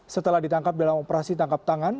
setelah ditangkap dalam operasi tangkap tangan